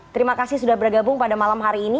terima kasih sudah bergabung pada malam hari ini